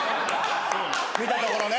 見たところね。